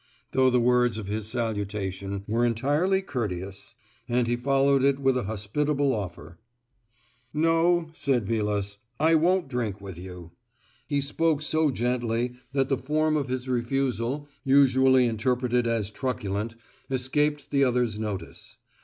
though the words of his salutation were entirely courteous; and he followed it with a hospitable offer. "No," said Vilas; "I won't drink with you." He spoke so gently that the form of his refusal, usually interpreted as truculent, escaped the other's notice.